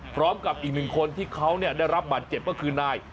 พร้อมกับอีกหนึ่งคนที่เขาได้รับบาดเจ็บก็คือนาย